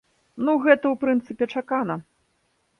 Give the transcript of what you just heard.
Ну, гэта, у прынцыпе, чакана.